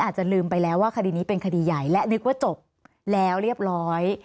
อาจจะลืมไปแล้วว่าคดีนี้เป็นคดีใหญ่และนึกว่าจบแล้วเรียบร้อย